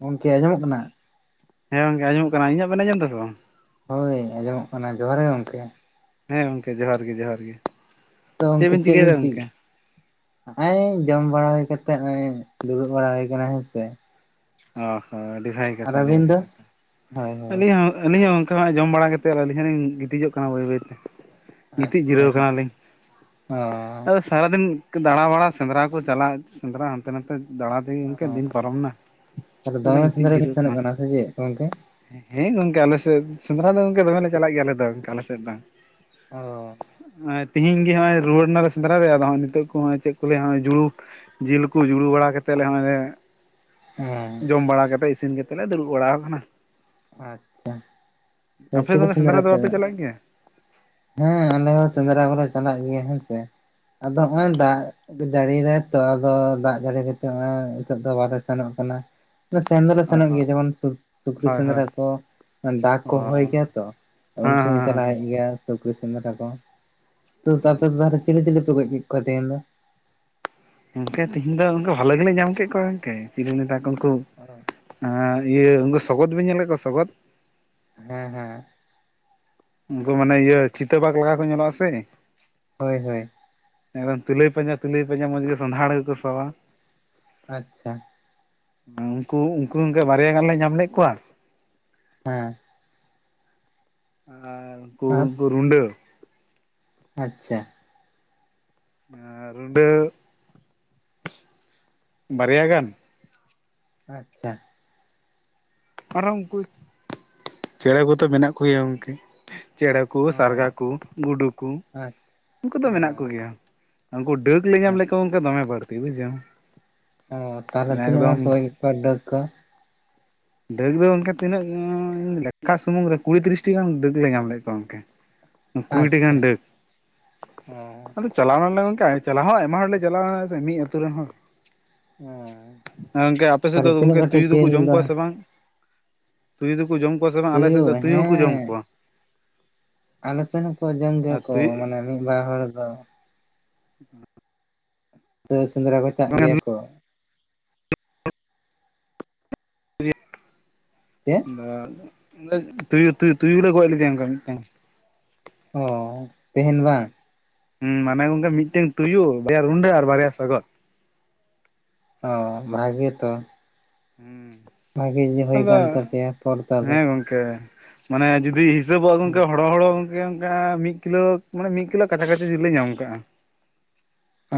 ᱜᱚᱢᱠᱮ ᱟᱸᱡᱚᱢᱚᱜ ᱠᱟᱱᱟ? ᱦᱮᱸ ᱜᱚᱝᱠᱮ ᱟᱸᱚᱢ ᱠᱟᱱᱟ, ᱤᱧᱟᱹᱜ ᱵᱮᱱ ᱟᱸᱡᱚᱢ ᱫᱟ ᱥᱮ ᱵᱟᱝ? ᱦᱳᱭ ᱟᱸᱡᱚᱢᱚᱜ ᱠᱟᱱᱟ ᱡᱚᱦᱟᱨ ᱜᱮ ᱜᱚᱢᱠᱮ᱾ ᱦᱮᱸ ᱜᱚᱝᱠᱮ ᱡᱚᱦᱟᱨ ᱜᱮ ᱡᱚᱦᱟᱨ ᱜᱮ᱾ ᱛᱚ ᱜᱚᱝᱠᱮ ᱪᱮᱫ ᱵᱤᱱ ᱪᱮ ᱱᱚᱜᱚᱭ ᱡᱚᱢ ᱵᱟᱲᱟ ᱦᱩᱭ ᱠᱟᱛᱮ ᱱᱚᱜᱼᱚᱭ ᱫᱩᱲᱩᱵ ᱵᱟᱲᱟ ᱦᱩᱭ ᱟᱠᱟᱱᱟ ᱦᱮᱸ ᱥᱮ᱾ ᱚ ᱦᱚᱸ ᱟᱹᱰᱤ ᱵᱷᱟᱜᱮ ᱠᱟᱛᱷᱟ ᱟᱹᱰᱤ ᱟᱹᱵᱤᱱ ᱵᱷᱟᱹᱜᱮ ᱫᱚ? ᱠᱟᱛᱷᱟ ᱦᱳᱭ ᱦᱳᱭ ᱟᱹᱞᱤᱧ ᱦᱚᱸ ᱟᱹᱞᱤᱧ ᱦᱚᱸ ᱛᱚ ᱦᱟᱸᱜ ᱡᱚᱢ ᱵᱟᱲᱟ ᱠᱟᱛᱮᱫ ᱟᱨ ᱟᱹᱞᱤᱧ ᱦᱚᱸᱞᱤᱧ ᱜᱤᱛᱤᱡᱚᱜ ᱠᱟᱱᱟ ᱵᱟᱹᱭ ᱵᱟᱹᱭᱛᱮ᱾ ᱜᱤᱛᱤᱡ ᱟᱪᱪᱷᱟ ᱡᱤᱨᱟᱹᱣ ᱠᱟᱱᱟᱞᱤᱧ ᱚ᱾ ᱟᱫᱚ ᱥᱟᱨᱟᱫᱤᱱ ᱫᱟᱬᱟᱵᱟᱲᱟ ᱥᱮᱸᱫᱽᱨᱟ ᱠᱚ ᱪᱟᱞᱟᱜ, ᱥᱮᱸᱫᱽᱨᱟ ᱦᱟᱱᱛᱮ ᱱᱟᱛᱮ ᱫᱟᱬᱟ ᱛᱮᱜᱮ ᱜᱚᱝᱠᱮ ᱫᱤᱱ ᱯᱟᱨᱚᱢ ᱮᱱᱟ᱾ ᱛᱟᱞᱦᱮ ᱫᱚᱢᱮ ᱥᱮᱸᱫᱽᱨᱟ ᱵᱤᱱ ᱥᱮᱱᱚᱜ ᱠᱟᱱᱟ ᱥᱮ ᱪᱮᱫ ᱜᱚᱝᱠᱮ? ᱦᱮᱸ ᱦᱮᱸ ᱜᱚᱝᱠᱮ ᱟᱞᱮ ᱥᱮᱫ ᱥᱮᱸᱫᱽᱨᱟ ᱫᱚ ᱜᱚᱝᱠᱮ ᱫᱚᱢᱮ ᱞᱮ ᱪᱟᱞᱟᱜ ᱜᱮᱭᱟ ᱟᱞᱮ ᱫᱚ ᱜᱚᱝᱠᱮ ᱟᱞᱮ ᱥᱮᱫ ᱫᱚ᱾ ᱚ᱾ ᱚᱭ ᱛᱮᱦᱤᱧ ᱜᱮ ᱦᱚᱸᱜᱼᱚᱭ ᱨᱩᱩᱭᱟᱹᱲ ᱱᱟᱞᱮ ᱥᱮᱫᱽᱨᱟ ᱨᱮ ᱟᱫᱚ ᱦᱚᱸᱜᱼᱚᱭ ᱱᱤᱛᱚᱜ ᱠᱚ ᱦᱚᱸᱜᱼᱚᱭ ᱪᱮᱫ ᱠᱚ ᱞᱟᱹᱭᱟ ᱦᱚᱸᱜᱼᱚᱭ ᱡᱩᱲᱩ ᱡᱤᱞ ᱠᱚ ᱡᱩᱲᱩ ᱵᱟᱲᱟ ᱠᱟᱛᱮᱫ ᱞᱮ ᱦᱚᱸᱜᱼᱚᱭ ᱞᱮ ᱦᱮᱸ ᱡᱚᱢ ᱵᱟᱲᱟ ᱠᱟᱛᱮᱫ ᱤᱥᱤᱱ ᱠᱟᱛᱮᱫ ᱞᱮ ᱫᱩᱲᱩᱵ ᱵᱟᱲᱟᱣ ᱟᱠᱟᱱᱟ᱾ ᱟᱪᱪᱷᱟ ᱮ ᱟᱯᱮ ᱫᱚ ᱪᱤᱞᱤ ᱥᱮᱸᱫᱽᱨᱟ ᱫᱚ ᱯᱮ ᱵᱟᱯᱮ ᱪᱟᱞᱟᱜ ᱜᱮᱭᱟ ᱦᱮᱸ ᱟᱞᱮ ᱦᱚᱸ ᱥᱮᱸᱫᱽᱨᱟ ᱠᱚᱞᱮ ᱪᱟᱞᱟᱜ ᱜᱮᱭᱟ ᱦᱳᱭ ᱥᱮ, ᱟᱫᱚ ᱦᱚᱸᱜᱼᱚᱭ ᱫᱟᱜ ᱡᱟᱹᱲᱤᱭ ᱫᱟᱭ ᱛᱚ ᱟᱫᱚ ᱫᱟᱜ ᱡᱟᱹᱲᱤ ᱠᱟᱛᱮᱫ ᱦᱚᱸᱜᱼᱚᱭ ᱦᱤᱛᱚᱜ ᱫᱚ ᱵᱟᱞᱮ ᱥᱮᱱᱚᱜ ᱠᱟᱱᱟ᱾ ᱥᱮᱱ ᱫᱚᱞᱮ ᱥᱮᱱᱚᱜ ᱚ ᱜᱮᱭᱟ ᱡᱮᱢᱚᱱ ᱥᱩᱨ [inaudible] ᱦᱳᱭ ᱥᱮᱸᱫᱽᱨᱟ ᱦᱳᱭ ᱠᱚ ᱰᱟᱠ ᱠᱚ ᱦᱚᱦᱚᱭ ᱚ ᱜᱮᱭᱟ ᱛᱚ ᱩᱱ ᱦᱮᱸ ᱥᱚᱢᱚᱭ ᱦᱮᱸ ᱪᱟᱞᱟᱜ ᱦᱮᱸ ᱦᱩᱭᱩᱜ ᱜᱮᱭᱟ᱾ ᱥᱩᱠᱨᱤ ᱥᱮᱸᱫᱽᱨᱟ ᱠᱚ ᱛᱚ ᱛᱟᱯᱚᱨᱮ ᱛᱟᱞᱦᱮ ᱪᱤᱞᱤ ᱪᱤᱞᱤᱯᱮ ᱜᱚᱡ ᱠᱮᱫ ᱠᱚᱣᱟ ᱛᱟᱦᱮᱧ ᱫᱚ? ᱜᱚᱝᱠᱮ ᱛᱮᱦᱮᱧ ᱫᱚ ᱜᱚᱝᱠᱮ ᱵᱷᱟᱞᱮ ᱜᱮᱞᱮ ᱧᱟᱢ ᱠᱮᱫ ᱠᱚᱣᱟ ᱜᱚᱝᱠᱮ [inaudible] ᱠᱚ ᱩᱱᱠᱩ [inaudible] ᱟᱨ ᱤᱭᱟᱹ ᱩᱱᱠᱩ ᱥᱚᱜᱚᱫ ᱵᱤᱱ ᱧᱮᱞ ᱠᱟᱜ ᱠᱚᱣᱟ ᱥᱚᱜᱚᱫ? ᱦᱮᱸ ᱦᱮᱸ᱾ ᱩᱱᱠᱩ ᱢᱟᱱᱮ ᱤᱭᱟᱹ ᱪᱤᱛᱟᱹ ᱵᱟᱜ ᱞᱮᱠᱟ ᱠᱚ ᱧᱮᱞᱚᱜ-ᱟ ᱥᱮ? ᱦᱳᱭ ᱦᱳᱭ᱾ ᱮᱠᱫᱚᱢ ᱛᱤᱞᱟᱹᱭ ᱯᱟᱸᱡᱟ ᱛᱤᱞᱟᱹᱭ ᱯᱟᱸᱡᱟ ᱢᱚᱡᱽ ᱜᱮ ᱥᱚᱸᱫᱷᱟᱲ ᱜᱮᱠᱚ ᱥᱚᱣᱟ᱾ ᱟᱪᱪᱷᱟ᱾ ᱩᱱᱠᱩ ᱩᱱᱠᱩ ᱜᱚᱝᱠᱮ ᱵᱟᱨᱭᱟ ᱜᱟᱱ ᱞᱮ ᱧᱟᱢ ᱞᱮᱫ ᱠᱚᱣᱟ᱾ ᱦᱮᱸ᱾ ᱟᱨ ᱩᱱᱠᱩ ᱟᱨ ᱩᱱᱠᱩ ᱨᱩᱸᱰᱟᱹ᱾ ᱟᱪᱪᱷᱟ᱾ ᱟᱨ ᱨᱩᱸᱵᱟᱹ ᱵᱟᱨᱭᱟ ᱜᱟᱱ? ᱟᱪᱪᱷᱟ᱾ ᱟᱨᱦᱚᱸ ᱩᱱᱠᱩ, ᱪᱮᱬᱮ ᱠᱚᱛᱚ ᱢᱮᱱᱟᱜ ᱠᱚᱜᱮᱭᱟ ᱜᱚᱝᱠᱮ᱾ ᱪᱮᱬᱮ ᱠᱚ, ᱚ ᱥᱟᱨᱜᱟ ᱠᱚ, ᱜᱩᱰᱩ ᱠᱚ ᱟᱪᱪᱷᱟ ᱩᱱᱠᱩ ᱫᱚ ᱚ ᱢᱮᱱᱟᱜ ᱠᱚᱜᱮᱭᱟ᱾ ᱩᱱᱠᱩ ᱰᱟᱹᱠ ᱞᱮ ᱧᱟᱢ ᱞᱮᱫ ᱠᱚᱣᱟ ᱟᱪᱪᱷᱟ ᱜᱚᱝᱠᱮ ᱫᱚᱢᱮ ᱵᱟᱹᱲᱛᱤ ᱵᱩᱡᱷᱟᱹᱣ᱾ ᱚ ᱛᱟᱦᱚᱞᱮ ᱛᱤᱱᱟᱹᱜ ᱜᱟᱱ ᱯᱮ ᱮᱠᱫᱚᱢ ᱦᱩᱭ ᱠᱮᱫ ᱠᱚᱣᱟ ᱰᱟᱹᱠ ᱠᱚ? ᱰᱟᱹᱜ ᱫᱚ ᱚᱝᱠᱮ ᱛᱤᱱᱟᱹᱜ ᱩᱸ ᱞᱮᱠᱷᱟ ᱥᱩᱢᱩᱝ ᱨᱮ ᱠᱩᱲᱤ ᱛᱤᱨᱤᱥᱴᱤ ᱜᱟᱱ ᱰᱟᱹᱠ ᱞᱮ ᱧᱟᱢ ᱞᱮᱫ ᱠᱚᱣᱟ ᱜᱚᱝᱠᱮ᱾ ᱠᱩᱲᱤᱴᱤ ᱜᱟᱱ ᱟᱪᱪᱷᱟ ᱰᱟᱹᱠ, ᱦᱮᱸ ᱟᱫᱚ ᱪᱟᱞᱟᱣ ᱱᱟᱞᱮ ᱜᱚᱝᱠᱮ ᱪᱟᱞᱟᱣ ᱦᱚᱸ ᱟᱭᱢᱟ ᱦᱚᱲ ᱞᱮ ᱪᱟᱞᱟᱣᱱᱟ ᱥᱮ ᱢᱤᱫ ᱟᱹᱛᱩ ᱨᱮᱱ ᱦᱚᱲ᱾ ᱦᱮᱸ ᱮᱸ ᱜᱚᱝᱠᱮ ᱟᱯᱮ ᱥᱮᱫ ᱫᱚ ᱛᱟᱦᱚᱞᱮ ᱛᱤᱱᱟᱹᱜ ᱜᱚᱝᱠᱮ ᱠᱟᱴᱤᱡ ᱛᱩᱭᱩ ᱫᱚᱠᱚ ᱡᱤᱞ ᱡᱚᱢ ᱫᱚ ᱠᱚᱣᱟ ᱥᱮ ᱵᱟᱝ, ᱛᱩᱭᱩ ᱫᱚᱠᱚ ᱡᱚᱢ ᱠᱚᱣᱟ ᱥᱮ ᱵᱟᱝ ᱟᱞᱮ ᱥᱮᱫ ᱫᱚ ᱛᱩᱭᱩ ᱦᱚᱸᱠᱚ ᱡᱚᱢ ᱠᱚᱣᱟ᱾ ᱟᱞᱮ ᱥᱮᱱ ᱦᱚᱸᱠᱚ ᱡᱚᱢ ᱜᱮᱭᱟ ᱟᱨ ᱠᱚ ᱛᱩᱭᱩ ᱢᱟᱱᱮ ᱢᱤᱫ ᱵᱟᱨ ᱦᱚᱲ ᱫᱚ᱾ ᱛᱳᱭᱳ ᱥᱮᱸᱫᱽᱨᱟ ᱠᱚ ᱪᱟᱜ ᱜᱮᱭᱟ ᱠᱚ᱾ [inaudible] ᱪᱮᱫ? [inaudible] ᱛᱩᱭᱩ ᱛᱩᱭᱩ ᱛᱩᱭᱩ ᱜᱮᱞᱮ ᱜᱚᱡ ᱞᱮᱫᱮᱭᱟ ᱚᱱᱠᱟ ᱢᱤᱫᱴᱟᱝ᱾ ᱚ ᱛᱮᱦᱮᱧ ᱵᱟᱝ ᱾ ᱦᱮᱸ ᱢᱟᱱᱮ ᱜᱚᱝᱠᱮ ᱢᱤᱫᱴᱮᱱ ᱛᱩᱭᱩ ᱵᱟᱨᱭᱟ ᱨᱩᱰᱟᱹ ᱟᱨ ᱵᱟᱨᱭᱟ ᱥᱟᱜᱚᱫ ᱾ ᱚ ᱵᱷᱟᱜᱮ ᱛᱚ ᱾ ᱵᱷᱟᱜᱤ ᱜᱮ ᱦᱩᱭ ᱟᱠᱟᱱ ᱛᱟᱯᱮᱭᱟ ᱯᱚᱨᱫᱟ ᱫᱚ ᱾ ᱮ ᱢᱟᱱᱮ ᱡᱩᱫᱤ ᱦᱤᱥᱟᱹᱵᱚᱜ ᱦᱮᱸ ᱜᱚᱝᱠᱮ ᱦᱚᱲᱚ ᱦᱚᱲᱚ ᱮ ᱚᱱᱠᱟ ᱢᱤᱫ ᱠᱤᱞᱳ ᱢᱟᱱᱮ ᱢᱤᱫ ᱠᱤᱞᱳ ᱠᱟᱪᱷᱟ ᱠᱟᱪᱷᱤ ᱡᱤᱞ ᱞᱮ ᱧᱟᱢ ᱟᱠᱟᱜ-ᱟ᱾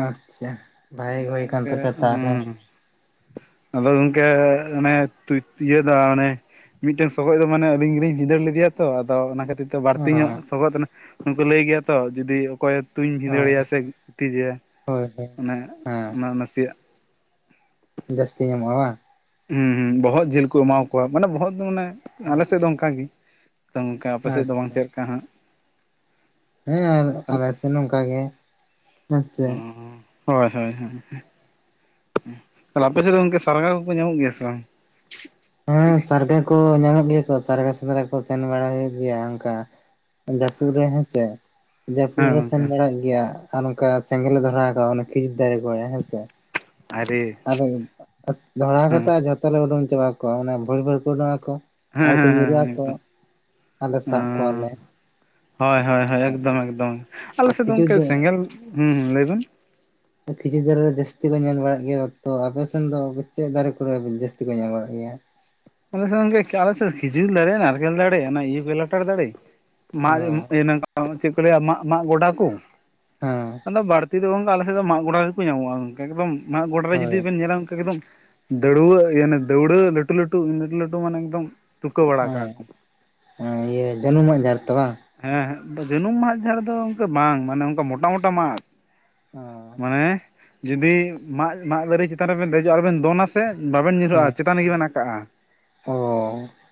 ᱟᱪᱪᱷᱟ ᱵᱷᱟᱜᱮ ᱜᱮ ᱚᱱᱮ ᱦᱩᱭ ᱟᱠᱟᱱ ᱜᱚᱝᱠᱮ ᱛᱟᱯᱮᱭᱟ ᱛᱟᱦᱚᱞᱮ ᱾ ᱦᱩᱸ ᱟᱫᱚ ᱜᱚᱢᱠᱮ ᱚᱱᱮ ᱤᱭᱟᱹ ᱫᱚ ᱚᱱᱮ ᱢᱤᱫᱴᱮᱱ ᱥᱚᱜᱚᱡ ᱫᱚ ᱢᱟᱱᱮ ᱟᱞᱤᱧ ᱜᱮᱞᱤᱧ ᱵᱷᱤᱸᱫᱟᱹᱲ ᱞᱮᱫᱮᱭᱟ ᱛᱚ ᱟᱫᱚ ᱚᱱᱟ ᱠᱷᱟᱹᱛᱤᱨ ᱛᱮ ᱛᱚ ᱚ ᱵᱟᱹᱲᱛᱤ ᱧᱚᱜ ᱦᱮᱸ ᱥᱚᱜᱫ ᱚᱱᱮ ᱩᱱᱠᱩ ᱞᱟᱹᱭ ᱜᱮᱭᱟ ᱛᱚ ᱡᱩᱫᱤ ᱚᱠᱚᱭ ᱛᱩᱧ ᱵᱷᱤᱸᱫᱟᱹᱲ ᱮᱭᱟ ᱥᱮ ᱜᱤᱛᱤᱡᱮᱭᱟ ᱦᱳᱭ ᱦᱳᱭ ᱾ ᱚᱱᱮ ᱚᱱᱟ ᱱᱟᱥᱮᱭᱟᱜ ᱡᱟᱹᱥᱛᱤ ᱧᱟᱢᱚᱜ-ᱟ ᱵᱟᱝ᱾ ᱦᱩᱸ ᱦᱩᱸ ᱵᱚᱦᱚᱜ ᱡᱤᱞ ᱠᱚ ᱮᱢᱟ ᱠᱚᱣᱟ ᱢᱟᱱᱮ ᱵᱚᱦᱚᱜ ᱫᱚ ᱢᱟᱱᱮ ᱟᱞᱮ ᱥᱮᱫ ᱫᱚ ᱚᱱᱠᱟᱜᱮ ᱛᱚ ᱜᱚᱝᱠᱮ ᱟᱯᱮ ᱦᱮᱸ ᱥᱮᱫ ᱫᱚ ᱵᱟᱝ ᱟᱪᱪᱷᱟ ᱪᱮᱫᱠᱟ ᱦᱟᱸᱜ? ᱦᱮᱸ ᱟᱞᱮ ᱥᱮᱫ ᱱᱚᱝᱠᱟ ᱜᱮ ᱦᱮᱸ ᱚ ᱥᱮ ᱾ ᱦᱳᱭ ᱦᱳᱭ ᱦᱮᱸ ᱦᱮᱸ ᱛᱟᱦᱚᱞᱮ ᱟᱯᱮ ᱥᱮᱫ ᱫᱚ ᱜᱚᱝᱠᱮ ᱥᱟᱨᱜᱟᱨ ᱠᱚᱠᱚ ᱧᱟᱢᱚᱜ ᱜᱮᱭᱟ ᱥᱮ ᱵᱟᱝ? ᱦᱮᱸ ᱥᱟᱨᱜᱟ ᱠᱚ ᱧᱟᱢᱚᱜ ᱜᱮᱭᱟ ᱠᱚ ᱥᱟᱨᱜᱟ ᱥᱮᱸᱫᱽᱨᱟ ᱠᱚ ᱥᱮᱱ ᱵᱟᱲᱟ ᱦᱩᱭᱩᱜ ᱜᱮᱭᱟ ᱚᱱᱠᱟ ᱾ ᱡᱟᱹᱫᱯᱩ ᱨᱮ ᱦᱮᱸ ᱥᱮ ᱾ ᱡᱟᱹᱯᱩᱫ ᱦᱮᱸ ᱨᱮ ᱥᱮᱱ ᱜᱚᱝᱠᱮ ᱵᱟᱲᱟᱜ ᱜᱮᱭᱟ ᱟᱨ ᱚᱱᱠᱟ ᱥᱮᱸᱜᱮᱞ ᱞᱮ ᱫᱷᱚᱨᱟᱣ ᱟᱠᱚ ᱠᱷᱤᱡᱩᱨ ᱫᱟᱨᱮ ᱠᱚᱨᱮ ᱦᱮᱸᱥᱮ ᱾ ᱟᱭᱨᱮ ᱟᱫᱚ ᱫᱷᱚᱨᱟᱣ ᱠᱟᱛᱮᱜ ᱡᱷᱚᱛᱚ ᱞᱮ ᱚᱰᱟᱹᱝ ᱪᱟᱵᱟ ᱠᱚᱣᱟ ᱢᱟᱱᱮ ᱵᱷᱩᱨ ᱵᱷᱩᱨ ᱠᱚ ᱩᱰᱩᱝ ᱟᱠᱚ ᱾ ᱦᱮᱸ ᱟᱨᱠᱚ ᱦᱮᱸ ᱧᱩᱨᱦᱩᱜ ᱦᱮᱸ ᱟᱠᱚ ᱮᱠᱫᱚᱢ ᱟᱨᱞᱮ ᱥᱟᱵ ᱠᱚᱣᱟᱞᱮ ᱚᱸ ᱾ ᱦᱳᱭ ᱦᱳᱭ ᱦᱳᱭ ᱮᱠᱫᱚᱢ ᱮᱠᱫᱚᱢ ᱟᱞᱮ ᱟᱨ ᱥᱮᱫ ᱫᱚ ᱠᱷᱤᱡᱩᱨ ᱜᱚᱢᱠᱮ ᱥᱮᱸᱜᱮᱞ ᱦᱩᱸᱦᱩᱸ ᱞᱟᱹᱭ ᱵᱤᱱ ᱠᱷᱤᱡᱩᱨ ᱫᱟᱨᱮ ᱨᱮ ᱡᱟᱹᱥᱛᱤ ᱠᱚ ᱧᱮᱞ ᱵᱟᱲᱟᱜ ᱜᱮᱭᱟ ᱛᱚ ᱟᱯᱮ ᱥᱮᱱ ᱫᱚ ᱪᱮᱫ ᱫᱟᱨᱮ ᱠᱚᱨᱮ ᱡᱟᱹᱥᱛᱤ ᱠᱚ ᱧᱮᱞ ᱵᱟᱲᱟᱜ ᱜᱮᱭᱟ? ᱟᱞᱮ ᱥᱮᱱ ᱜᱚᱝᱠᱮ ᱟᱞᱮ ᱥᱮᱫ ᱠᱷᱤᱡᱩᱨ ᱫᱟᱲᱮ, ᱱᱟᱨᱠᱮᱞ ᱫᱟᱲᱮ, ᱚᱱᱟ ᱤᱭᱟᱹ ᱞᱚᱴᱟᱨ ᱫᱟᱲᱮ ᱢᱟᱨᱮ ᱦᱮᱸ ᱤᱭᱟᱹ ᱪᱮᱫ ᱠᱚ ᱞᱟᱹᱭᱟ ᱢᱟ ᱢᱟᱜ ᱜᱚᱰᱟ ᱠᱚ ᱦᱮᱸ ᱟᱫᱚ ᱵᱟᱹᱲᱛᱤ ᱫᱚ ᱜᱚᱝᱠᱮ ᱟᱞᱮ ᱮᱠᱫᱚᱢ ᱢᱟᱜ ᱜᱚᱰᱟ ᱨᱮ ᱜᱮᱠᱚ ᱧᱟᱢᱚᱜ-ᱟ ᱜᱚᱝᱠᱮ ᱮᱠᱫᱚᱢ ᱢᱟᱜ ᱜᱚᱰᱟᱨ ᱨᱮ ᱦᱳᱭ ᱡᱩᱫᱤ ᱵᱮᱱ ᱧᱮᱞᱟ ᱜᱚᱝᱠᱮ ᱮᱠᱫᱚᱢ ᱫᱟᱹᱲᱣᱟᱹ ᱚᱱᱮ ᱫᱟᱹᱣᱲᱟᱹ ᱞᱟᱹᱴᱩ ᱞᱟᱹᱴᱩ ᱞᱟᱹᱴᱩ ᱞᱟᱹᱴᱩ ᱢᱟᱱᱮ ᱮᱠᱫᱚᱢ ᱛᱩᱠᱟᱹ ᱵᱟᱲᱟ ᱦᱮᱸ ᱠᱟᱜ-ᱟ ᱠᱚ᱾ ᱤᱭᱟᱹ ᱡᱟᱹᱱᱩᱢᱟᱜ ᱡᱷᱟᱲ ᱛᱚ ᱵᱟᱝ? ᱦᱮᱸ ᱦᱮᱸ ᱡᱟᱹᱱᱩᱢ ᱢᱟᱜ ᱡᱷᱟᱲ ᱫᱚ ᱜᱚᱝᱠᱮ ᱵᱟᱝ ᱢᱟᱱᱮ ᱚᱱᱠᱟ ᱢᱚᱴᱟ ᱢᱚᱴᱟ ᱢᱟᱫ ᱾ ᱚ ᱢᱟᱱᱮ ᱡᱩᱫᱤ ᱢᱟᱜ ᱢᱟᱫ ᱫᱟᱨᱮ ᱪᱮᱛᱟᱱ ᱨᱮᱵᱮᱱ ᱫᱮᱡᱚᱜ-ᱟ ᱟᱨ ᱵᱮᱱ ᱫᱚᱱᱟᱥ ᱥᱮ ᱵᱟᱵᱮᱱ ᱧᱩᱨᱦᱩᱜ-ᱟ ᱪᱮᱛᱟᱱ ᱨᱮᱜᱮ ᱵᱮᱱ ᱟᱠᱟᱜ-ᱟ᱾ ᱚᱻ ᱾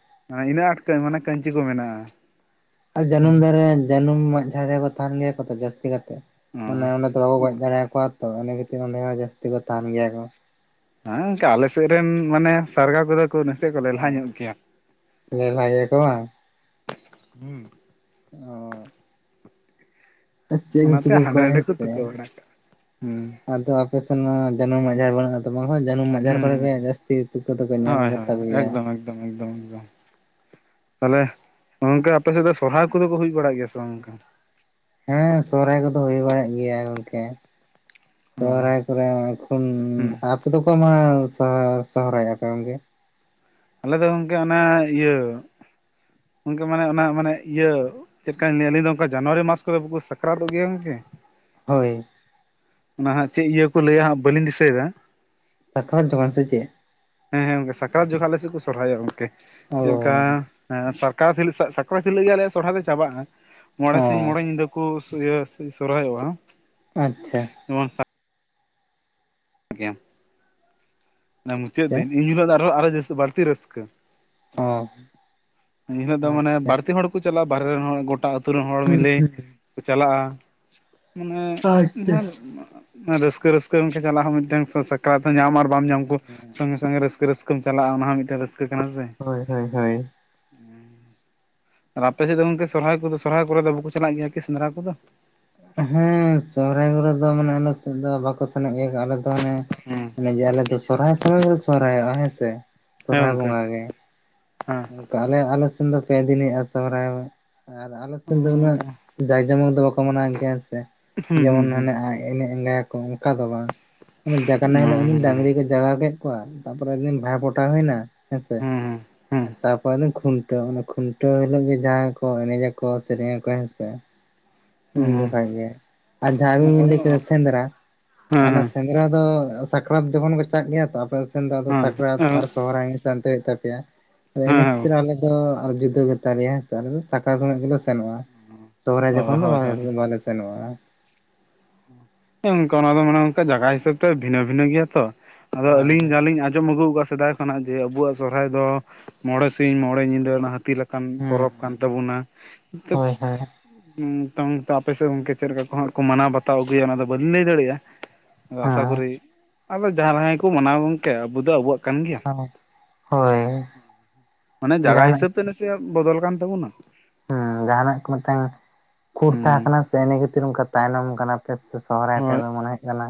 ᱤᱱᱟᱹᱜ ᱟᱴ ᱛᱮ ᱢᱟᱱᱮ ᱠᱟᱹᱧᱪᱤ ᱠᱚ ᱢᱮᱱᱟᱜ-ᱟ᱾ ᱡᱟᱹᱱᱩᱢ ᱫᱟᱨᱮ ᱡᱟᱹᱱᱩᱢ ᱢᱟᱜ ᱡᱷᱟᱲ ᱨᱮᱠᱚ ᱛᱟᱦᱮᱸᱱ ᱜᱮᱭᱟ ᱠᱚ ᱛᱚ ᱡᱟᱹᱥᱛᱤ ᱠᱟᱛᱮ᱾ ᱢᱟᱱᱮ ᱚᱸᱰᱮ ᱫᱚ ᱵᱟᱠᱚ ᱜᱚᱡᱽ ᱫᱟᱲᱮᱭ ᱟᱠᱚᱣᱟ ᱛᱚ ᱤᱱᱟᱹ ᱠᱷᱟᱹᱛᱤᱨ ᱚᱸᱰᱮ ᱦᱚᱸ ᱡᱟᱹᱥᱛᱤ ᱠᱚ ᱛᱟᱦᱮᱸᱱ ᱜᱮᱭᱟ ᱠᱚ᱾ ᱦᱮᱸ ᱜᱚᱝᱠᱮ ᱟᱞᱮ ᱥᱮᱫ ᱨᱮᱱ ᱢᱟᱱᱮ ᱥᱟᱨᱜᱟ ᱠᱚᱫᱚ ᱠᱚ ᱱᱟᱥᱮ ᱠᱚ ᱚ ᱞᱮᱞᱦᱟ ᱧᱚᱜ ᱜᱮᱭᱟ᱾ ᱞᱮᱞᱦᱟ ᱜᱮᱭᱟ ᱠᱚ ᱵᱟᱝ ᱾ [unintelligible] ᱚᱻ ᱪᱮᱫ ᱮᱢ ᱚᱱᱟᱛᱮ ᱪᱤᱠᱟᱹ ᱦᱟᱸᱰᱮ ᱠᱚᱣᱟ ᱱᱟᱰᱮ ᱠᱚ ᱦᱮᱸᱥᱮ᱾ ᱛᱩᱠᱟᱹ ᱵᱟᱲᱟ ᱠᱟᱜᱼᱟ ᱦᱩᱸ ᱟᱫᱚ ᱟᱯᱮ ᱥᱮᱱᱢᱟ ᱡᱟᱱᱩᱢ ᱢᱟᱜ ᱟᱡᱟᱨ ᱵᱟᱹᱱᱩᱜ ᱟᱛᱚ? ᱢᱚᱱᱮ ᱦᱚᱭ ᱡᱟᱹᱱᱩᱢ ᱢᱟᱜ ᱟᱡᱟᱨ ᱦᱩᱸ ᱠᱚᱨᱮ ᱦᱩᱸ ᱜᱮ ᱦᱩᱸ ᱡᱟᱹᱥᱛᱤ ᱛᱩᱠᱟᱹ ᱫᱚᱠᱚ ᱧᱟᱢ ᱦᱳᱭ ᱦᱳᱭ ᱜᱮᱛᱟ ᱠᱚ ᱜᱮᱭᱟ᱾ ᱮᱠᱫᱚᱢ ᱮᱠᱫᱚᱢ ᱮᱠᱫᱚᱢ᱾ ᱛᱟᱦᱚᱞᱮ ᱜᱚᱝᱠᱮ ᱟᱯᱮᱥᱮᱫ ᱫᱚ ᱥᱚᱨᱦᱟᱭ ᱠᱚᱫᱚ ᱠᱚ ᱦᱩᱭ ᱵᱟᱲᱟᱜ ᱜᱮᱭᱟ ᱥᱮ ᱵᱟᱝ ᱜᱚᱝᱠᱮ? ᱦᱮᱸ ᱥᱚᱨᱦᱟᱭ ᱠᱚᱫᱚ ᱦᱩᱭ ᱵᱟᱲᱟᱜ ᱜᱮᱭᱟ ᱜᱚᱝᱠᱮ᱾ ᱚ ᱥᱚᱨᱦᱟᱭ ᱠᱚᱨᱮ ᱮᱠᱷᱩᱱ ᱦᱩᱸ ᱟᱯᱮ ᱫᱚᱠᱚ ᱢᱟ ᱛᱚ ᱦᱟ ᱥᱚᱨᱦᱟᱭᱚᱜ-ᱟ ᱯᱮ ᱜᱚᱝᱠᱮ᱾ ᱟᱞᱮ ᱫᱚ ᱜᱚᱝᱠᱮ ᱚᱱᱟ ᱤᱭᱟᱹ ᱜᱚᱝᱠᱮ ᱢᱟᱱᱮ ᱚᱱᱟ ᱢᱟᱱᱮ ᱤᱭᱟᱹ ᱪᱮᱫ ᱠᱟᱹᱧ ᱞᱟᱹᱭᱟ ᱟᱹᱞᱤᱧ ᱫᱚ ᱚᱱᱠᱟ ᱡᱟᱱᱣᱟᱨᱤ ᱢᱟᱥ ᱠᱚᱨᱮ ᱵᱟᱠᱚ ᱥᱟᱠᱨᱟᱛᱚᱜ ᱜᱮᱭᱟ ᱜᱚᱝᱠᱮ᱾ ᱦᱳᱭ᱾ ᱚᱱᱟ ᱦᱟᱸᱜ ᱪᱮᱫ ᱤᱭᱟᱹ ᱠᱚ ᱞᱟᱹᱭᱟ ᱦᱟᱸᱜ ᱵᱟᱹᱞᱤᱧ ᱫᱤᱥᱟᱹᱭᱮᱫᱟ᱾ ᱥᱟᱠᱨᱟᱛ ᱡᱚᱠᱷᱚᱱ ᱥᱮ ᱪᱮᱫ? ᱦᱮᱸ ᱦᱮᱸ ᱜᱚᱝᱠᱮ ᱥᱟᱠᱨᱟᱛ ᱡᱚᱠᱷᱱ ᱟᱞᱮ ᱥᱮᱫ ᱠᱚ ᱥᱚᱨᱦᱟᱭᱚᱜ-ᱲ ᱜᱚᱝᱠᱮ᱾ ᱚ ᱪᱮᱫᱞᱠᱟ ᱦᱮᱸ ᱯᱟᱨ ᱠᱟᱛᱦᱤᱞᱚᱜ ᱥᱟ-ᱥᱟᱠᱨᱟᱛ ᱦᱤᱞᱳᱜ ᱜᱮ ᱟᱞᱮᱭᱟᱜ ᱥᱚᱨᱦᱟᱭ ᱫᱚ ᱪᱟᱵᱟᱜᱼᱟ, ᱢᱚᱬᱮ ᱚ ᱥᱤᱧ ᱢᱚᱬᱮ ᱧᱤᱫᱟᱹ ᱠᱚ ᱤᱭᱟᱹ ᱥᱚᱨᱦᱟᱭᱚᱜ-ᱟ᱾ ᱟᱪᱪᱷᱟ᱾ ᱱᱚᱣᱟᱝ ᱥᱟ ᱜᱮᱭᱟᱢ᱾ ᱚᱱᱟ ᱢᱩᱪᱟᱹᱫ ᱟᱪᱪᱷᱟ ᱫᱤᱱ ᱤᱱ ᱦᱤᱞᱳᱜ ᱫᱚ ᱟᱨᱚᱦᱚ ᱟᱨᱦ ᱡᱟᱹᱥ ᱵᱟᱹᱲᱛᱤ ᱨᱟᱹᱥᱠᱟᱹ᱾ ᱚ ᱮᱱᱦᱤᱞᱳᱜ ᱫᱚ ᱢᱟᱱᱮ ᱟᱪᱪᱷᱟ ᱵᱟᱹᱲᱛᱤ ᱦᱚᱲ ᱠᱚ ᱪᱟᱞᱟᱜ-ᱟ, ᱵᱟᱦᱨᱮ ᱨᱮᱱ ᱦᱚᱲ ᱜᱚᱴᱟ ᱟᱹᱛᱩ ᱨᱮᱱ ᱦᱚᱲ ᱦᱩᱸ ᱢᱤᱞᱮ ᱦᱩᱸ ᱠᱚ ᱪᱟᱞᱟᱜ-ᱟ᱾ ᱢᱟᱱᱮ ᱟᱪᱪᱷᱟ ᱦᱮᱸ ᱨᱟᱹᱥᱠᱟᱹ ᱨᱟᱹᱥᱠᱟᱹ ᱜᱚᱝᱠᱮ ᱪᱟᱞᱟᱜ ᱦᱚᱸ ᱢᱤᱫᱴᱮᱝ ᱥᱚ-ᱥᱟᱠᱨᱟᱛ ᱦᱚᱸ ᱧᱟᱢ ᱟᱨ ᱵᱟᱢ ᱧᱟᱢ ᱠᱚ ᱥᱚᱝᱜᱮ ᱥᱚᱝᱜᱮ ᱨᱟᱹᱥᱠᱟᱹ ᱨᱟᱹᱥᱠᱟᱹᱢ ᱪᱟᱞᱟᱜ-ᱟ ᱚᱱᱟ ᱦᱚᱸ ᱢᱤᱫᱴᱮᱱ ᱨᱟᱹᱥᱠᱟᱹ ᱠᱟᱱᱟ ᱥᱮ᱾ ᱦᱳᱭ ᱦᱳᱭ ᱦᱳᱭ᱾ ᱟᱨ ᱟᱯᱮ ᱥᱮᱫ ᱫᱚ ᱜᱚᱝᱠᱮ ᱥᱚᱨᱦᱟᱭ ᱠᱚᱫᱚ ᱥᱚᱨᱦᱟᱭ ᱠᱚᱨᱮ ᱫᱚ ᱵᱟᱠᱚ ᱪᱟᱞᱟᱜ ᱜᱮᱭᱟ ᱠᱤ ᱥᱮᱸᱫᱽᱨᱟ ᱠᱚᱫᱚ? ᱦᱮᱸ ᱥᱚᱦᱨᱟᱭ ᱠᱚᱨᱮ ᱫᱚ ᱢᱟᱱᱮ ᱟᱞᱮ ᱥᱮᱫ ᱫᱚ ᱵᱟᱠᱚ ᱥᱮᱱᱚᱜ ᱜᱮᱭᱟ ᱠᱚ ᱟᱞᱮ ᱫᱚ ᱚᱱᱮ ᱦᱮᱸ᱾ ᱚᱱᱮ ᱡᱮ ᱟᱞᱮ ᱫᱚ ᱥᱚᱨᱦᱟᱭ ᱥᱚᱢᱚᱭ ᱜᱮᱞᱮ ᱥᱚᱨᱦᱟᱭᱚᱜᱼᱟ ᱦᱮᱸᱥᱮ ᱦᱮᱸ ᱥᱚᱨᱦᱟᱭ ᱜᱚᱝᱠᱮ ᱵᱚᱸᱜᱟ ᱜᱮ᱾ ᱦᱮᱸ ᱠᱟ ᱟᱞᱮ ᱟᱞᱮ ᱥᱮᱱ ᱫᱚ ᱯᱮ ᱫᱤᱱᱮ ᱟ ᱥᱚᱦᱨᱟᱭ ᱵᱚᱸᱜᱟ ᱟᱨ ᱟᱞᱮ ᱥᱮᱱ ᱫᱚ ᱩᱱᱟᱹᱜ ᱦᱩᱸ ᱡᱟᱸᱠ ᱡᱚᱢᱚᱠ ᱫᱚ ᱵᱟᱠ ᱠᱚ ᱢᱟᱱᱟᱣ ᱜᱮᱭᱟᱸ ᱥᱮ ᱡᱮᱢᱚᱱ ᱦᱩᱸ ᱦᱩᱸ ᱦᱟᱱᱮ ᱦᱩᱸ ᱟᱡ ᱮᱱᱮᱡ ᱟᱸᱜᱟᱭᱟᱠᱚ ᱚᱝᱠᱟ ᱫᱚ ᱵᱟᱝ᱾ ᱚᱱᱮᱵᱡᱟᱜᱱᱟ ᱦᱤᱞᱚᱜ ᱦᱩᱸ ᱮᱢᱱᱤ ᱰᱟᱝᱨᱤ ᱠᱚ ᱡᱟᱜᱟᱣ ᱠᱮᱫ ᱠᱚᱣᱟ᱾ ᱛᱟᱯᱚᱨᱮ ᱫᱤᱱ ᱵᱷᱟᱭ ᱵᱷᱚᱴᱟ ᱦᱩᱭᱱᱟ᱾ ᱦᱮᱸᱥᱮ᱾ ᱦᱩᱸ ᱦᱩᱸ ᱦᱩᱸ ᱦᱮᱸ ᱦᱮᱸ ᱛᱟᱯᱚᱨᱮ ᱫᱚ ᱠᱷᱩᱱᱴᱟᱹᱣ ᱚᱱᱮ ᱠᱷᱩᱱᱴᱟᱹᱣ ᱦᱤᱞᱳ ᱜᱮ ᱡᱟᱦᱟᱸᱭ ᱠᱚ ᱮᱱᱮᱡᱟᱠᱚ ᱥᱮᱨᱮᱧᱟᱠᱚ ᱦᱮᱸᱥᱮ᱾ ᱦᱮᱸ ᱩᱱ ᱡᱚᱠᱷᱟ ᱜᱮ ᱟᱨ ᱡᱟᱦᱟᱸ ᱟᱹᱵᱤᱱ ᱵᱤᱱ ᱞᱟᱹᱭ ᱠᱮᱫᱟ ᱥᱮᱸᱫᱽᱨᱟ ᱚᱱᱟ ᱦᱮᱸ ᱦᱮᱸ ᱥᱮᱸ ᱫᱽᱨᱟ ᱫᱚ ᱥᱟᱠᱨᱟᱛ ᱡᱚᱠᱷᱚᱱ ᱠᱚ ᱪᱟᱜ ᱜᱮᱭᱟ ᱛᱚ ᱟᱯᱮ ᱥᱮᱱ ᱫᱚ ᱟᱫᱚ ᱥᱟᱠᱨᱟᱛ ᱟᱨ ᱥᱚᱦᱨᱟᱭ ᱢᱤᱫ ᱥᱟᱱᱛᱤ ᱦᱩᱭᱩᱜ ᱛᱟᱯᱮᱭᱟ᱾ ᱟᱫᱚ ᱤᱱᱟᱹ ᱠᱷᱟᱹᱛᱤᱨ ᱦᱮᱸ ᱟᱞᱮ ᱫᱚ ᱟᱨ ᱡᱩᱫᱟᱹ ᱜᱮ ᱛᱟᱞᱮᱭᱟ ᱦᱮᱸᱥᱮ ᱟᱞᱮ ᱫᱚ ᱥᱟᱠᱨᱟᱛ ᱥᱚᱢᱚᱭ ᱜᱮᱞᱮ ᱥᱟ ᱥᱮᱱᱚᱜᱼᱟ᱾ ᱥᱚᱦᱨᱟᱭ ᱚ ᱡᱚᱠᱷᱚᱱ ᱫᱚ ᱦᱳᱭ ᱵᱟᱮᱨ ᱦᱳᱭ ᱵᱟᱞᱮ ᱥᱮᱱᱚᱜ-ᱟ᱾ ᱦᱮᱸ ᱚᱝᱠᱟ ᱚᱱᱟ ᱫᱚ ᱢᱟᱱᱮ ᱚᱱᱠᱟ ᱡᱟᱜᱟ ᱦᱤᱥᱟᱹᱵ ᱛᱮ ᱵᱷᱤᱱᱟᱹᱼᱵᱷᱤᱱᱟᱹ ᱜᱮᱭᱟ ᱛᱚ ᱟᱫᱚ ᱦᱳᱭ ᱟᱹᱞᱤᱧ ᱦᱳᱭ ᱡᱟᱹᱦᱟᱞᱤᱧ ᱟᱡ ᱟᱸᱡᱚᱢ ᱟᱹᱜᱩᱣ ᱟᱠᱟᱜᱼᱟ ᱥᱮᱫᱟᱭ ᱠᱷᱚᱱᱟᱜ ᱡᱮ ᱟᱵᱩᱣᱟᱜ ᱥᱚᱨᱦᱟᱭ ᱫᱚ ᱢᱚᱬᱮ ᱥᱤᱧ ᱢᱚᱬᱮ ᱧᱤᱫᱟᱹ ᱚᱱᱟ ᱦᱟᱹᱛᱤ ᱞᱮᱠ ᱠᱟᱱ ᱦᱩᱸ ᱯᱚᱨᱚᱵᱽ ᱠᱟᱱ ᱛᱟᱵᱚᱱᱟ᱾ ᱦᱳᱭ ᱦᱳᱭ ᱱᱤᱛᱚᱝ ᱛᱚ ᱟᱯᱮ ᱥᱮᱫ ᱜᱚᱝᱠᱮ ᱪᱮᱫ ᱞᱮᱠᱟ ᱠᱚᱦᱟᱸᱜ ᱠᱚ ᱢᱟᱱᱟᱣ ᱵᱟᱛᱟᱣ ᱟᱹᱜᱩᱭᱟ ᱚᱱᱟ ᱫᱚ ᱵᱟᱹᱞᱤᱧ ᱞᱟᱹᱭ ᱫᱟᱲᱮᱭᱟᱜᱼᱟ᱾ ᱟᱫᱚ ᱟᱥᱟ ᱠᱚᱨᱤ ᱟᱫᱚ ᱡᱟᱦᱟᱸᱭ ᱨᱟᱦᱟᱭ ᱠᱚ ᱢᱟᱱᱟᱣ ᱜᱚᱝᱠᱮ ᱟᱵᱚ ᱫᱚ ᱟᱵᱚᱣᱟᱜ ᱠᱟᱱ ᱜᱮᱭᱟ᱾ ᱦᱮᱸ ᱦᱳᱭ ᱢᱟᱱᱮ ᱡᱟᱭᱟ ᱡᱟᱦᱟᱱᱟᱜ ᱦᱤᱥᱟᱹᱵᱽ ᱛᱮᱞᱮ ᱪᱮᱜ ᱵᱚᱫᱚᱞ ᱠᱟᱱ ᱛᱟᱵᱚᱱᱟ᱾ ᱦᱩᱸ ᱡᱟᱦᱟᱱᱟᱜ ᱠᱚ ᱢᱤᱝᱴᱟᱹᱝ ᱠᱷᱩᱸᱴ ᱛᱟᱦᱮᱸ ᱠᱟᱱᱟ ᱦᱩᱸ ᱥᱮ ᱤᱱᱟᱹ ᱠᱷᱟᱹᱛᱤᱨ ᱚᱝᱠᱟ ᱛᱟᱭᱱᱚᱢ ᱠᱟᱱᱟ᱾ ᱯᱷᱮᱥ ᱥᱮ ᱥᱚᱦᱚᱨᱟᱭ ᱦᱳᱭ ᱛᱮᱫᱚ ᱢᱚᱱᱮ ᱦᱚᱭᱩᱜ ᱠᱟᱱᱟ᱾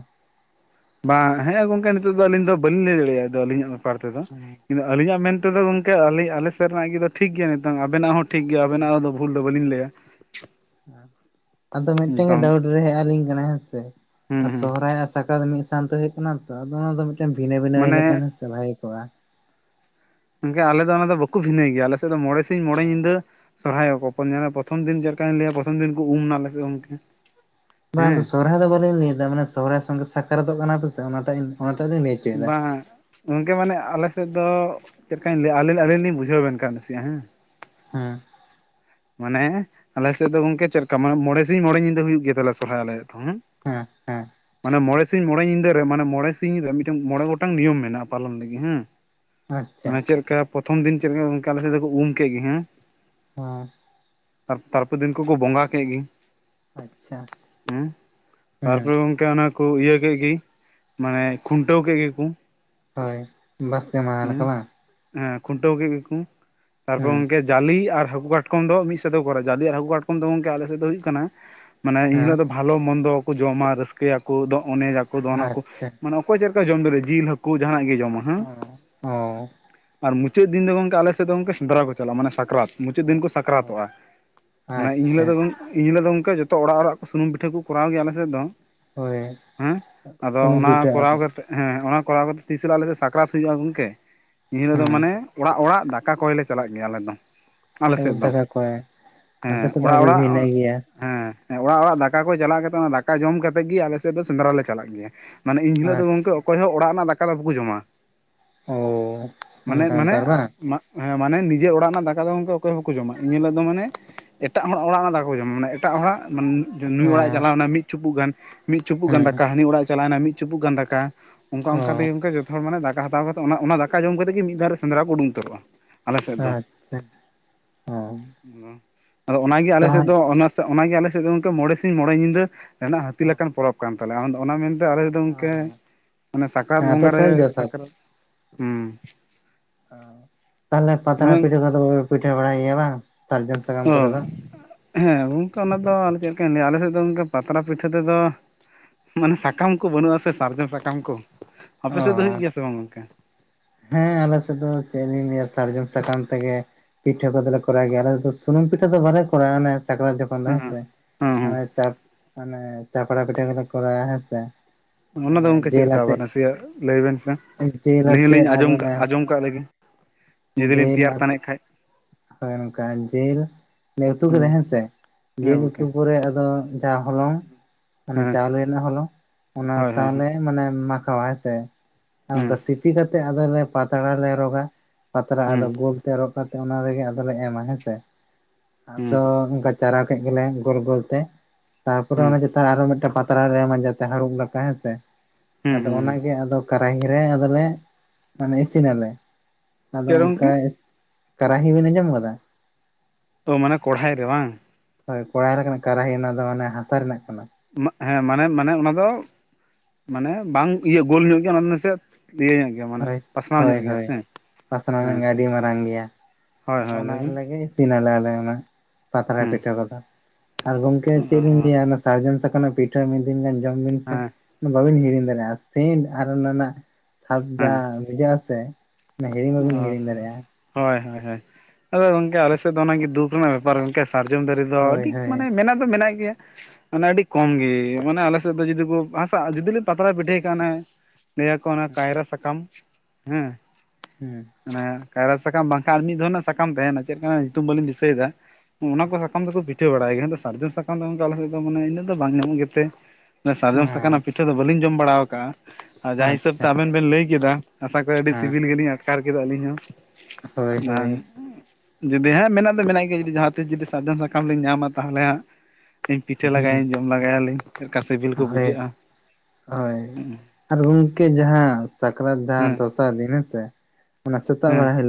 ᱵᱟᱝ ᱦᱮᱸ ᱜᱚᱝᱠᱮ ᱱᱤᱛᱚᱜ ᱫᱚ ᱟᱹᱞᱤᱧ ᱫᱚ ᱵᱟᱹᱞᱤᱧ ᱞᱟᱹᱭ ᱫᱟᱲᱮᱭᱟᱜᱼᱟ ᱟᱫᱚ ᱟᱹᱞᱤᱧᱟᱜ ᱵᱮᱯᱟᱨ ᱛᱮᱫᱚ᱾ᱤᱱᱟᱹᱜ ᱟᱹᱞᱤᱧᱟᱜ ᱢᱮᱱᱛᱮᱫᱚ ᱜᱚᱝᱠᱮ ᱟᱞᱮ ᱟᱞᱮ ᱥᱮᱫ ᱨᱮᱱᱟᱜ ᱜᱮ ᱫᱚ ᱴᱷᱤᱠ ᱜᱮᱭᱟ ᱱᱤᱛᱚᱝ ᱟᱵᱮᱱᱟᱜ ᱦᱚᱸ ᱴᱷᱤᱠ ᱜᱮᱭᱟ, ᱟᱵᱮᱱᱟᱜ ᱦᱚᱸ ᱫᱚ ᱵᱷᱩᱞ ᱫᱚ ᱵᱟᱹᱞᱤᱧ ᱞᱟᱹᱭᱟ ᱾ [unintelligible] ᱟᱫᱚ ᱢᱤᱫᱴᱮᱱ ᱜᱮ ᱰᱟᱣᱩᱴ ᱨᱮ ᱦᱮᱡ ᱟᱹᱞᱤᱧ ᱠᱟᱱᱟ ᱦᱮᱸ ᱥᱮ ᱦᱩᱸ ᱟᱨ ᱦᱩᱸ ᱥᱚᱦᱨᱟᱭ ᱟᱨ ᱥᱟᱠᱨᱟᱛ ᱢᱤᱫ ᱥᱟᱝᱛᱮ ᱦᱩᱭᱩᱜ ᱠᱟᱱᱟ ᱛᱚ ᱟᱫᱚ ᱚᱱᱟ ᱫᱚ ᱢᱤᱫᱴᱮᱱ ᱵᱷᱤᱱᱟᱹ ᱵᱷᱤᱱᱟᱹ ᱦᱩᱭ ᱢᱟᱱᱮ ᱞᱮᱠᱷᱟᱱ ᱦᱮᱥ ᱵᱷᱟᱜᱮ ᱠᱚᱜᱼᱟ ᱾ ᱜᱚᱝᱠᱮ ᱟᱞᱮ ᱫᱚ ᱚᱱᱟ ᱫᱚ ᱵᱟᱠᱚ ᱵᱷᱤᱱᱟᱹᱭ ᱜᱮᱭᱟ ᱟᱞᱮ ᱥᱮᱱ ᱫᱚ ᱢᱚᱬᱮ ᱥᱤᱧ ᱢᱚᱬᱮ ᱧᱤᱫᱟᱹ ᱥᱚᱨᱦᱟᱭᱚᱜ ᱟᱠᱚ ᱯᱚᱱ ᱡᱟᱸᱜᱟ ᱧᱮᱞᱮ ᱯᱚᱨᱛᱷᱚᱢ ᱫᱤᱱ ᱪᱮᱫ ᱞᱮᱠᱟᱹᱧ ᱞᱟᱹᱭᱟ ᱯᱚᱨᱛᱷᱚᱢ ᱫᱤᱱ ᱠᱚ ᱩᱢ ᱮᱱᱟᱞᱮ ᱥᱮᱫ ᱜᱚᱝᱠᱮ ᱾ ᱵᱟᱝ ᱟᱫᱚ ᱥᱚᱨᱦᱟᱭ ᱫᱚ ᱵᱟᱹᱞᱤᱧ ᱞᱟᱹᱭ ᱮᱫᱟ ᱢᱟᱱᱮ ᱥᱚᱨᱦᱟᱭ ᱥᱚᱸᱜᱮ ᱥᱟᱠᱨᱟᱛᱚᱜ ᱠᱟᱱᱟ ᱯᱮ ᱥᱮ ᱚᱱᱟ ᱴᱟᱜ ᱤᱧ ᱚᱱᱟ ᱴᱟᱜ ᱞᱤᱧ ᱞᱟᱹᱭ ᱦᱚᱪᱚᱭᱮᱫᱟ ᱵᱟᱝᱼᱟ ᱾ ᱜᱚᱝᱠᱮ ᱢᱟᱱᱮ ᱟᱞᱮ ᱥᱮᱫ ᱫᱚ ᱪᱮᱫ ᱞᱮᱠᱟᱹᱧ ᱞᱟᱹᱭᱟ ᱟᱹᱞᱤ ᱟᱹᱞᱤᱧ ᱞᱤᱧ ᱵᱩᱡᱷᱟᱹᱣ ᱵᱤᱱ ᱠᱟᱱ ᱱᱟᱥᱭᱟᱜᱼᱟ ᱦᱮᱸ ᱾ ᱦᱮᱸ ᱾ ᱢᱟᱱᱮ ᱟᱞᱮ ᱥᱮᱫ ᱫᱚ ᱜᱚᱝᱠᱮ ᱪᱮᱫ ᱞᱮᱠᱟ ᱢᱟᱱᱮ ᱢᱚᱬᱮ ᱥᱤᱧ ᱢᱚᱬᱮ ᱧᱤᱫᱟᱹ ᱦᱩᱭᱩᱜ ᱜᱮᱭᱟ ᱛᱟᱞᱮ ᱥᱚᱨᱦᱟᱭ ᱟᱞᱮᱭᱟᱜ ᱫᱚ ᱦᱮᱸ ᱾ ᱦᱮᱸ ᱾ ᱢᱟᱱᱮ ᱢᱚᱬᱮ ᱥᱤᱧ ᱢᱚᱬᱮ ᱧᱤᱫᱟᱹ ᱨᱮ ᱢᱟᱱᱮ ᱢᱚᱬᱮ ᱥᱤᱧ ᱨᱮ ᱢᱤᱫᱴᱟᱝ ᱢᱚᱬᱮ ᱜᱚᱴᱟᱝ ᱱᱤᱭᱚᱢ ᱢᱮᱱᱟᱜᱼᱟ ᱯᱟᱞᱚᱱ ᱞᱟᱹᱜᱤᱫ ᱦᱮᱸ ᱾ ᱟᱪᱪᱷᱟ ᱢᱟᱱᱮ ᱪᱮᱫ ᱞᱮᱠᱟ ᱯᱚᱨᱛᱷᱚᱢ ᱫᱤᱱ ᱪᱮᱫ ᱞᱮᱠᱟ ᱜᱚᱝᱠᱮ ᱟᱞᱮ ᱥᱮᱫ ᱫᱚᱠᱚ ᱩᱢ ᱠᱮᱜ ᱜᱮ ᱦᱮᱸ ᱾ ᱦᱮᱸ ᱾ ᱛᱟᱨ ᱛᱟᱨ ᱯᱚᱨᱮ ᱫᱤᱱ ᱠᱚ ᱵᱚᱸᱜᱟ ᱠᱮᱫ ᱜᱮ ᱟᱪᱪᱷᱟ ᱦᱮᱸ ᱛᱟᱨ ᱦᱮᱸ ᱯᱚᱨᱮ ᱜᱚᱝ ᱠᱮ ᱚᱱᱟ ᱠᱚ ᱤᱭᱟᱹ ᱠᱮᱫ ᱜᱤ ᱢᱟᱱᱮ ᱠᱷᱩᱱᱴᱟᱹᱣ ᱠᱮᱫ ᱜᱮᱠᱳ ᱾ ᱦᱳᱭ ᱵᱟᱥᱠᱮ ᱢᱟᱦᱟ ᱞᱮᱠᱟ ᱵᱟᱝᱟ? ᱦᱮᱸ ᱠᱷᱩᱱᱴᱟᱹᱣ ᱠᱮᱫ ᱜᱮᱠᱚ, ᱛᱟᱨ ᱯᱚᱨᱮ ᱦᱮᱸ ᱜᱚᱝᱠᱮ ᱡᱟᱹᱞᱤ ᱟᱨ ᱦᱟᱹᱠᱩ ᱠᱟᱴ ᱠᱚᱢ ᱫᱚ ᱢᱤᱫ ᱥᱮᱫ ᱛᱮᱠᱚ ᱠᱚᱨᱟᱣᱟ ᱡᱟᱞᱤ ᱟᱨ ᱦᱟᱹᱠᱩ ᱠᱟᱴᱠᱚᱢ ᱫᱚ ᱜᱚᱝᱠᱮ ᱟᱞᱮ ᱥᱮᱫ ᱫᱚ ᱦᱩᱭᱩᱜ ᱠᱟᱱᱟ ᱢᱟᱱᱮ ᱤᱱ ᱦᱮᱸ ᱦᱤᱞᱳᱜ ᱫᱚ ᱵᱷᱟᱞᱳ ᱢᱚᱱᱫᱳ ᱠᱚ ᱡᱚᱢᱟ, ᱨᱟᱹᱥᱠᱟᱹᱭᱟᱠᱚ ᱫᱚᱜ ᱚᱱᱮᱡᱟᱠᱚ ᱫᱚᱱᱟᱠᱚ ᱟᱪᱪᱷᱟ ᱢᱟᱱᱮ ᱚᱠᱚᱭ ᱪᱮᱫ ᱞᱮᱠᱟᱭ ᱡᱚᱢ ᱫᱟᱲᱮᱭᱟᱜ ᱡᱤᱞ, ᱦᱟᱹᱠᱩ ᱡᱟᱦᱱᱟᱜ ᱜᱮ ᱡᱚᱢᱟ ᱾ [unintelligible] ᱚ ᱾ ᱟᱨ ᱢᱩᱪᱟᱹᱫ ᱫᱤᱱ ᱫᱚ ᱜᱚᱝᱠᱮ ᱟᱞᱮ ᱥᱮᱫ ᱫᱚ ᱜᱚᱝᱠᱮ ᱥᱮᱸᱫᱽᱨᱟ ᱠᱚ ᱪᱟᱞᱟᱜᱼᱟ ᱢᱟᱱᱮ ᱥᱟᱠᱨᱟᱛ ᱢᱩᱪᱟᱹᱫ ᱫᱤᱱ ᱠᱚ ᱚ ᱛᱚᱜᱼᱟ, ᱚᱱᱟ ᱤᱱ ᱦᱤᱞᱳᱜ ᱟᱪᱪᱷᱟ ᱫᱚ ᱤᱱ ᱦᱤᱞᱳᱜ ᱫᱚ ᱜᱚᱝᱠᱮ ᱡᱚᱛᱚ ᱚᱲᱟᱜ ᱚᱲᱟᱜ ᱠᱚ ᱥᱩᱱᱩᱢ ᱯᱤᱴᱷᱟᱹ ᱠᱚ ᱠᱚᱨᱟᱣ ᱜᱮᱭᱟ ᱟᱞᱮ ᱥᱮᱫ ᱫᱚ ᱦᱳᱭ ᱾ ᱦᱮᱸ ᱟᱫᱚ ᱥᱩᱱᱩᱢ ᱚᱱᱟ ᱯᱤᱴᱷᱟᱹ ᱠᱚᱨᱟᱣ ᱟᱨᱠᱤ ᱠᱟᱛᱮᱜ ᱦᱮᱸ ᱚᱱᱟ ᱠᱚᱨᱟᱣ ᱠᱟᱛᱮ ᱛᱤᱥ ᱦᱤᱞᱳᱜ ᱟᱞᱮ ᱥᱟᱠᱨᱟᱛ ᱦᱩᱭᱩᱜᱼᱟ ᱜᱚᱝᱠᱮ ᱮᱱᱦᱤᱞᱳᱜ ᱫᱚ ᱢᱟᱱᱮ ᱦᱮᱸ ᱚᱲᱟᱜ ᱚᱲᱟᱜ ᱫᱟᱠ ᱫᱟᱠᱟ ᱠᱚᱭ ᱞᱮ ᱪᱟᱞᱟᱜ ᱜᱮᱭᱟ ᱟᱞᱮ ᱫᱚ ᱾ ᱫᱟᱠᱟ ᱠᱚᱭ, ᱟᱯᱮ ᱦᱮᱸ ᱥᱮᱫ ᱫᱚ ᱚᱲᱟᱜ ᱟᱰᱤ ᱚᱲᱟᱜ ᱵᱷᱤᱱᱟᱹ ᱜᱮᱭᱟ ᱾ ᱦᱮᱸ ᱚᱲᱟᱜ ᱚᱲᱟᱜ ᱫᱟᱠᱟ ᱠᱚᱭ ᱪᱟᱞᱟᱣ ᱠᱟᱛᱮ ᱚᱱᱟ ᱫᱟᱠᱟ ᱡᱚᱢ ᱠᱟᱛᱮᱫ ᱜᱮ ᱟᱞᱮ ᱥᱮᱫ ᱫᱚ ᱥᱮᱸᱫᱽᱨᱟ ᱞᱮ ᱪᱟᱞᱟᱜ ᱜᱮᱭᱟ ᱾ ᱢᱟᱱᱮ ᱮᱱᱦᱤᱞᱳᱜ ᱫᱚ ᱟᱨ ᱜᱚᱝᱠᱮ ᱚᱠᱚᱭ ᱦᱚᱸ ᱚᱲᱟᱜ ᱨᱮᱱᱟᱜ ᱫᱟᱠᱟ ᱫᱚ ᱵᱟᱠᱚ ᱡᱚᱢᱟ ᱚ ᱾ ᱢᱟᱱᱮ ᱚᱱᱠᱟ ᱢᱟᱱᱮ ᱵᱮᱯᱟᱨ ᱵᱟᱝ ᱦᱮᱸ ᱢᱟᱱᱮ ᱱᱤᱡᱮ ᱚᱲᱟᱜ ᱨᱮᱱᱟᱜ ᱫᱟᱠᱟ ᱫᱚ ᱜᱚᱝᱠᱮ ᱚᱠᱚᱭ ᱦᱚᱸ ᱵᱟᱠᱚ ᱡᱚᱢᱟ ᱾ ᱮᱱᱦᱤᱞᱳᱜ ᱫᱚ ᱢᱟᱱᱮ ᱮᱴᱟᱜ ᱦᱚᱲᱟᱜ ᱚᱲᱟᱜ ᱨᱮᱱᱟᱜ ᱫᱟᱠᱟ ᱠᱚ ᱡᱚᱢᱟ ᱢᱟᱱᱮ ᱮᱴᱟᱜ ᱦᱚᱲᱟᱜ ᱢᱟᱱ [unintelligible] ᱱᱩᱭ ᱚ ᱚᱲᱟᱜ-ᱮ ᱪᱟᱞᱟᱣ ᱮᱱᱟ ᱢᱤᱫ ᱪᱩᱯᱩᱜ ᱜᱟᱱ ᱢᱤᱫ ᱪᱩᱯᱩᱜ ᱜᱟᱱ ᱦᱮᱸ ᱫᱟᱠᱟ, ᱦᱟᱹᱱᱤ ᱚᱲᱟᱜ ᱮ ᱪᱟᱞᱟᱣᱮᱱᱟ ᱢᱤᱫ ᱪᱩᱯᱩᱜ ᱜᱟᱱ ᱫᱟᱠᱟ ᱚᱱᱠᱟ ᱚᱱᱠᱟ ᱚ ᱛᱮᱜᱮ ᱜᱚᱝᱠᱮ ᱡᱚᱛᱚ ᱦᱚᱲ ᱢᱟᱱᱮ ᱫᱟᱠᱟ ᱦᱟᱛᱟᱣ ᱠᱟᱛᱮ ᱚᱱᱟ ᱚᱱᱟ ᱫᱟᱠᱟ ᱡᱚᱢ ᱠᱟᱛᱮ ᱜᱮ ᱢᱤᱫ ᱫᱷᱟᱣ ᱨᱮ ᱥᱮᱸᱫᱽᱨᱟ ᱠᱚ ᱩᱰᱩᱝ ᱩᱟᱹᱨᱚᱜᱼᱟ ᱾ ᱟᱪᱪᱷᱟ, ᱦᱮᱸ ᱾ ᱟᱫᱚ ᱚᱱᱟ ᱜᱮ ᱟᱞᱮ ᱥᱮᱫ ᱫᱚ ᱚᱱᱟ ᱥᱮ ᱚᱱᱟ ᱜᱮ ᱟᱞᱮ ᱥᱮᱫ ᱫᱚ ᱜᱚᱝᱠᱮ ᱢᱚᱬᱮ ᱥᱤᱧ ᱢᱚᱬᱮ ᱧᱤᱫᱟᱹ ᱨᱮᱱᱟᱜ ᱦᱟᱹᱛᱤ ᱞᱮᱠᱟᱱ ᱯᱚᱨᱚᱵᱽ ᱠᱟᱱ ᱛᱟᱞᱮᱭᱟ ᱟᱫᱚ ᱚᱱᱟ ᱢᱮᱱ ᱛᱮ ᱟᱞᱮ ᱫᱚ ᱜᱚᱢᱠᱮ ᱦᱮᱸ ᱢᱟᱱᱮ ᱥᱟᱠᱨᱟᱛ ᱟᱯᱮ ᱵᱚᱸᱜᱟ ᱨᱮ ᱥᱮᱫ ᱡᱚᱛᱷᱟᱛ ᱥᱟᱠᱨᱟᱛ ᱦᱩᱸ ᱾ ᱟᱸ, ᱛᱟᱦᱞᱮ ᱯᱟᱛᱲᱟ ᱯᱤᱴᱷᱟᱹ ᱠᱚᱫᱚ ᱯᱮ ᱯᱤᱴᱷᱟ. ᱵᱟᱲᱟᱭ ᱜᱮᱭᱟ ᱵᱟᱝ? ᱥᱟᱨᱡᱚᱢ ᱥᱟᱠᱟᱢ ᱚ, ᱠᱚᱨᱮ ᱫᱚ ᱦᱮᱸ ᱜᱚᱝᱠᱮ ᱚᱱᱟ ᱫᱚ ᱟᱫᱚ ᱪᱮᱫ ᱞᱮᱠᱟᱧ ᱞᱟᱹᱭᱟ ᱟᱞᱮ ᱥᱮᱫ ᱫᱚ ᱜᱚᱝᱠᱮ ᱯᱟᱛᱲᱟ ᱯᱤᱴᱷᱟᱹ ᱛᱮᱫᱚ ᱢᱟᱱᱮ ᱥᱟᱠᱟᱢ ᱠᱚ ᱵᱟᱹᱱᱩᱜᱼᱟᱥᱮ ᱥᱟᱨᱡᱚᱢ ᱥᱟᱠᱟᱢ ᱠᱚ ᱾ ᱟᱯᱮ ᱚ ᱥᱮᱫ ᱫᱚ ᱦᱩᱭᱩᱜ ᱜᱮᱭᱟ ᱥᱮ ᱵᱟᱝ ᱜᱚᱝᱠᱮ? ᱦᱮᱸ ᱟᱞᱮ ᱥᱮᱫ ᱫᱚ ᱪᱮᱫ ᱞᱤᱧ ᱞᱟ. ᱭᱟ ᱥᱟᱨᱡᱚᱢ ᱥᱟᱠᱟᱢ ᱛᱮᱜᱮ ᱯᱤᱴᱷᱟᱹ ᱠᱚᱫᱚ ᱞᱮ ᱠᱚᱨᱟᱭ ᱜᱮᱭᱟ, ᱟᱞᱮ ᱫᱚ ᱥᱩᱱᱩᱢ ᱯᱤᱴᱟᱹ ᱫᱚ ᱵᱟᱞᱮ ᱠᱚᱨᱟᱣᱟ ᱚᱱᱮ ᱥᱟᱠᱨᱟᱛ ᱡᱚ [unintelligible] ᱦᱟᱱᱮ ᱦᱮᱸ ᱦᱮᱸ ᱦᱮᱸ ᱪᱟᱯᱲᱟ ᱯᱤᱴᱷᱟ. ᱠᱚᱞᱮ ᱠᱚᱨᱟᱣᱫᱟ ᱦᱮᱸ ᱥᱮ᱾ ᱚᱱᱟ ᱫᱚ ᱜᱚᱝᱠᱮ ᱪᱮᱫ ᱞᱮᱠᱟ ᱟᱵᱟᱨ ᱱᱟᱹᱥᱤᱭᱟ ᱞᱟᱹᱭ ᱵᱮᱱ ᱥᱮ, ᱡᱤᱞ ᱞᱟᱹᱭ ᱞᱤᱧ ᱟᱛᱮᱜ ᱟᱨ ᱟᱸᱡᱚᱢ ᱠᱟᱜ ᱚᱱᱮ ᱟᱸᱡᱚᱢ ᱠᱟᱜ ᱞᱮᱜᱮ ᱡᱩᱫᱤ ᱞᱤᱧ ᱛᱮᱭᱟᱨ ᱛᱟᱱᱮᱫ ᱠᱷᱟᱡ᱾ [unintelligible] ᱡᱮᱞ ᱞᱮ ᱩᱛᱩ ᱠᱮᱫᱟ ᱦᱮᱸ ᱦᱮᱸᱥᱮ, ᱦᱮᱸ ᱡᱮᱞ ᱜᱚᱝᱠᱮ ᱩᱛᱩ ᱯᱚᱨᱮ ᱟᱫᱚ ᱡᱟᱦᱟᱸ ᱦᱚᱞᱚᱝ ᱢᱟᱱᱮ ᱦᱮᱸ ᱪᱟᱣᱞᱮ ᱨᱮᱱᱟᱜ ᱦᱚᱞᱚᱝ ᱚᱱᱟ ᱦᱳᱭ ᱦᱳᱭ ᱥᱟᱶ ᱦᱮᱸ ᱞᱮ ᱢᱟᱱᱮ ᱢᱟᱠᱷᱟᱣᱟ ᱦᱮᱸ ᱥᱮ ᱦᱮᱸ ᱚᱝᱠᱟ ᱥᱤᱯᱤ ᱠᱟᱛᱮ ᱟᱫᱚᱞᱮ ᱯᱟᱛᱲᱟ ᱞᱮ ᱨᱚᱜᱟ᱾ ᱯᱟᱛᱲᱟ ᱦᱮᱸ ᱟᱫᱚ ᱜᱳᱞ ᱛᱮ ᱨᱚᱜ ᱠᱟᱛᱮ ᱚᱱᱟ ᱨᱮᱜᱮ ᱟᱫᱚᱞᱮ ᱮᱢᱟ ᱦᱮᱸ ᱥᱮ ᱦᱮᱸ ᱟᱫᱚ ᱚᱝᱠᱟ ᱪᱟᱨᱟᱣ ᱠᱮᱫ ᱜᱮᱞᱮ ᱜᱳᱞ ᱜᱳᱞ ᱛᱮ ᱛᱟᱨᱯᱚᱨᱮ ᱚᱱᱮ ᱡᱮ ᱟᱨᱚ ᱢᱮᱫᱴᱮᱱ ᱯᱟᱛᱲᱟ ᱞᱮ ᱮᱢᱟ ᱡᱟᱛᱮ ᱦᱟᱹᱨᱩᱵ ᱞᱮᱠᱟ ᱦᱮᱸᱥᱮ ᱦᱮᱸ ᱟᱫᱚ ᱦᱮᱸ ᱚᱱᱟᱜᱮ ᱟᱫᱚ ᱠᱟᱨᱟᱦᱤ ᱨᱮ ᱟᱫᱚᱞᱮ ᱢᱟᱱᱮ ᱤᱥᱤᱱᱟᱞᱮ ᱟᱫᱚ ᱪᱮᱫ ᱚᱝᱠᱟ ᱜᱚᱝᱠᱮ ᱠᱟᱨᱟᱦᱤ ᱵᱤᱱ ᱟᱸᱡᱚᱢ ᱠᱟᱫᱟ? ᱛᱚ ᱢᱟᱱᱮ ᱠᱚᱲᱦᱟᱭ ᱨᱮ ᱵᱟᱝ᱾ ᱦᱳᱭ ᱠᱚᱲᱟᱭ ᱨᱮ ᱠᱟᱱᱟ ᱠᱟᱨᱟᱦᱤ ᱚᱱᱟ ᱫᱚ ᱢᱟᱱᱮ ᱦᱟᱥᱟ ᱨᱮᱱᱟᱜ ᱠᱟᱱᱟ᱾ ᱢᱟ ᱦᱮᱸ ᱢᱟᱱᱮ ᱢᱟᱱᱮ ᱚᱱᱟ ᱫᱚ ᱢᱟᱱᱮ ᱵᱟᱝ ᱤᱭᱟᱹ ᱜᱳᱞ ᱧᱚᱜ ᱜᱮᱭᱟ ᱚᱱᱟᱫᱚ ᱱᱟ. ᱥᱮ ᱤᱭᱟᱹ ᱧᱚᱜ ᱜᱮᱭᱟ ᱢᱟᱱᱮ ᱦᱳᱭ ᱯᱟᱥᱱᱟᱣ ᱦᱳᱭ ᱧᱚᱜ ᱜᱮᱭᱟ ᱦᱳᱭ ᱥᱮ ᱯᱟᱥᱱᱟᱣ ᱦᱮᱸ [unintelligible] ᱟᱹᱰᱤ ᱢᱟᱨᱟᱝ ᱜᱮᱭᱟ ᱦᱳᱭ ᱟᱫᱚ ᱦᱳᱭ ᱚᱱᱟ ᱞᱟᱹᱭ ᱵᱤᱱ [unintelligible] ᱥᱤᱱᱟᱞᱮ ᱟᱞᱮ ᱚᱱᱟ ᱯᱟᱛᱲᱟ ᱦᱮᱸ ᱯᱤᱴᱷᱟᱹ ᱠᱚᱫᱚ, ᱟᱨ ᱜᱚᱝᱠᱮ ᱪᱮᱫ ᱤᱧ ᱞᱟᱹᱭᱟ ᱦᱮᱸ ᱚᱱᱮ ᱥᱟᱨᱡᱚᱢ ᱥᱟᱠᱟᱱ ᱨᱮᱱᱟᱜ ᱯᱤᱴᱷᱟᱹ ᱢᱤᱫ ᱫᱤᱱ ᱜᱟᱱ ᱡᱚᱢ ᱵᱤᱱ ᱥᱮ ᱚᱱᱟ ᱵᱟᱹᱵᱤᱱ ᱦᱤᱲᱤᱧ ᱫᱟᱲᱮᱜ-ᱟ, ᱥᱮᱴ ᱟᱨ ᱚᱱᱟ ᱨᱮᱱᱟᱜ ᱟᱛ ᱡᱟ ᱵᱩᱡᱷᱟᱹᱜ ᱟᱥᱮ᱾ ᱚᱱᱟ ᱦᱤᱲᱤᱧ ᱵᱟᱵᱤᱱ ᱚ ᱦᱤᱲᱤᱧ ᱫᱟᱲᱮᱭᱟᱜᱼᱟ ᱦᱳᱭ ᱦᱳᱭ ᱦᱳᱭ ᱟᱫᱚ ᱜᱚᱝᱠᱮ ᱟᱞᱮ ᱥᱮᱫ ᱫᱚ ᱚᱱᱟᱜᱮ ᱫᱩᱠ ᱨᱮᱱᱟᱜ ᱵᱮᱯᱟᱨ ᱜᱚᱝᱠᱮ ᱥᱟᱨᱡᱚᱢ ᱫᱟᱨᱮ ᱫᱚ ᱦᱳᱭ ᱟᱹᱰᱤ ᱦᱳᱭ ᱢᱟᱱᱮ ᱢᱮᱱᱟᱜ ᱫᱚ ᱢᱮᱱᱟᱜ ᱜᱮᱭᱟ᱾ ᱢᱟᱱᱮ ᱟᱹᱰᱤ ᱠᱚᱢ ᱜᱮ ᱢᱟᱱᱮ ᱟᱞᱮ ᱥᱮᱫ ᱫᱚ ᱡᱩᱫᱤ ᱠᱚ ᱦᱟᱥᱟᱜᱟ ᱡᱩᱫᱤ ᱞᱮ ᱯᱟᱛᱲᱟ ᱯᱤᱴᱷᱟᱹᱭ ᱠᱷᱟᱱ ᱦᱟᱱᱮ ᱞᱟᱹᱭᱟᱠᱚ ᱚᱱᱟ ᱠᱟᱭᱨᱟ ᱥᱟᱠᱟᱢ ᱦᱮᱸ ᱦᱩᱸ ᱦᱟᱱᱮ ᱠᱟᱭᱨᱟ ᱥᱟᱠᱟᱢ ᱵᱟᱝᱠᱷᱟᱱ ᱟᱨ ᱢᱤᱫ ᱫᱷᱟᱣ ᱨᱮᱱᱟᱜ ᱥᱟᱠᱟᱢ ᱛᱟᱦᱮᱱᱟ ᱪᱮᱫ ᱞᱮᱠᱟᱱᱟᱜ ᱧᱩᱛᱩᱢ ᱵᱟᱹᱞᱤᱧ ᱫᱤᱥᱟᱹᱭᱫᱟ᱾ ᱚᱱᱟ ᱠᱚ ᱥᱟᱠᱟᱢ ᱛᱮᱠᱚ ᱯᱤᱴᱷᱟᱹ ᱵᱟᱲᱟᱭ ᱜᱮᱭᱟ, [unintelligible] ᱥᱟᱨᱡᱚᱢ ᱥᱟᱠᱟᱢ ᱫᱚ ᱚᱝᱠᱟ ᱟᱞᱮ ᱥᱮᱫ ᱫᱚ ᱢᱟᱱᱮ ᱤᱱᱟᱹᱜ ᱫᱚ ᱵᱟᱝ ᱧᱟᱢᱚᱜ ᱜᱮᱛᱮ ᱚ ᱥᱟᱨᱡᱚᱢ ᱥᱟᱠᱟᱢ ᱨᱮᱱᱟᱜ ᱯᱤᱴᱷᱟᱹ ᱫᱚ ᱵᱟᱹᱞᱤᱧ ᱡᱚᱢ ᱵᱟᱲᱟᱣ ᱠᱟᱜᱟ, ᱟᱨ ᱡᱟᱦᱟᱸ ᱦᱤᱥᱟᱹᱵ ᱛᱮ ᱟᱪᱪᱷᱟ ᱟᱵᱮᱱ ᱵᱮᱱ ᱞᱟᱹᱭ ᱠᱮᱫᱟ ᱟᱥᱟ ᱠᱚᱨᱮ ᱟᱹᱰᱤ ᱦᱮᱸ ᱥᱤᱵᱤᱞ ᱜᱮᱞᱤᱧ ᱟᱴᱠᱟᱨ ᱠᱮᱫᱟ ᱟᱹᱞᱤᱧ ᱦᱚᱸ ᱦᱳᱭ ᱵᱟᱝ ᱦᱳᱭ ᱡᱩᱫᱤ ᱦᱟᱸᱜ ᱢᱮᱱᱟᱜ ᱫᱚ ᱢᱮᱱᱟᱜ ᱜᱮᱭᱟ ᱡᱩᱫᱤ ᱡᱟᱦᱟᱸ ᱛᱤᱥ ᱡᱩᱫᱤ ᱥᱟᱨᱡᱚᱢ ᱥᱟᱠᱟᱢ ᱞᱤᱧ ᱧᱟᱢᱟ ᱛᱟᱦᱟᱞᱮ ᱦᱟᱸᱜ ᱤᱧ ᱯᱤᱴᱷᱟᱹ ᱦᱩᱸ ᱞᱟᱜᱟᱹᱭᱟᱧ ᱡᱚᱢ ᱞᱟᱜᱟᱹᱭᱟᱞᱤᱧ ᱪᱮᱫ ᱞᱮᱠᱟ ᱥᱤᱵᱤᱞ ᱠᱚ ᱦᱳᱭ ᱵᱩᱡᱷᱟᱹᱜ-ᱟ᱾ ᱦᱳᱭ ᱟᱨ ᱜᱚᱝᱠᱮ ᱡᱟᱦᱟᱸ ᱥᱟᱠᱨᱟᱛ ᱡᱟᱦᱟᱸ ᱦᱮᱸ ᱫᱚᱥᱟᱨ ᱫᱤᱱ ᱦᱮᱸᱥᱮ ᱚᱱᱟ ᱥᱮᱛᱟᱜ ᱦᱮᱸ ᱵᱮᱲᱟ ᱦᱤᱞᱳᱜ